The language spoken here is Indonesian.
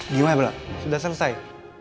gimana bella sudah selesai